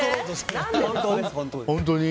本当に。